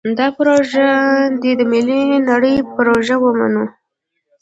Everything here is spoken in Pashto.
دا پروژه دې د ملي رڼا پروژه ومنو.